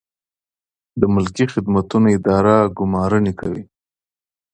د ملکي خدمتونو اداره ګمارنې کوي